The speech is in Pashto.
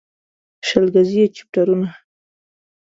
شل ګزي يې چپټرونه